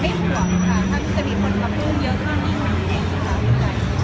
ไม่ห่วงค่ะถ้ามีจะมีคนมาพูดเยอะข้างดีกว่าเมร์เอ็นค่ะ